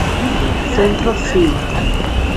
Centro cívico.